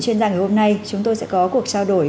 chuyên gia ngày hôm nay chúng tôi sẽ có cuộc trao đổi